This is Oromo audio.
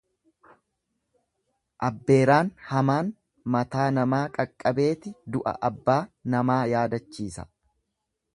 Abbeeraan hamaan mataa namaa qaqqabeeti du'a abbaa namaa yaadachiisa.